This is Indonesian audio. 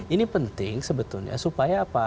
ini penting sebetulnya supaya apa